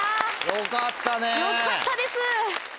よかったです。